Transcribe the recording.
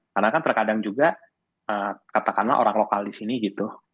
karena kan terkadang juga katakanlah orang lokal di sini gitu